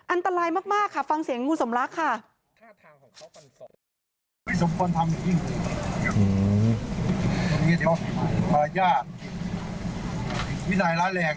อันตรายมากค่ะฟังเสียงงูสมรักค่ะ